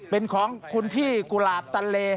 เป็นของคุณพี่กุหลาบตันเล